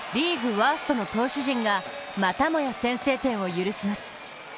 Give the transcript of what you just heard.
ワーストの投手陣がまたもや先制点を許します。